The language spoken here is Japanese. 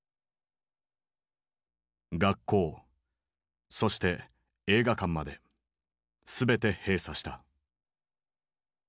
学校そして映画館まで全て閉鎖した。